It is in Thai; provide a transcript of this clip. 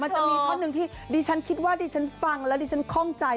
มันจะมีข้อหนึ่งที่ดิฉันคิดว่าดิฉันฟังแล้วดิฉันคล่องใจ